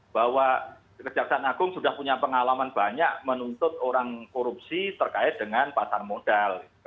bahwa kejaksaan agung sudah punya pengalaman banyak menuntut orang korupsi terkait dengan pasar modal